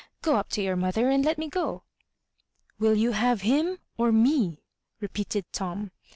Qo up to your mother, and let me go." " Will you have him or me? " repeated Tom.